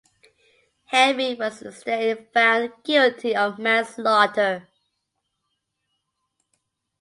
Henry was instead found guilty of manslaughter.